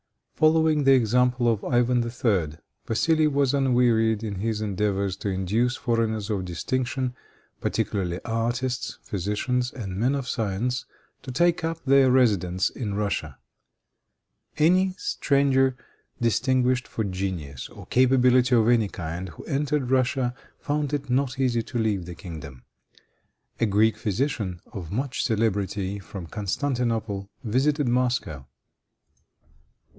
] Following the example of Ivan III., Vassili was unwearied in his endeavors to induce foreigners of distinction, particularly artists, physicians and men of science, to take up their residence in Russia. Any stranger, distinguished for genius or capability of any kind, who entered Russia, found it not easy to leave the kingdom. A Greek physician, of much celebrity, from Constantinople, visited Moscow.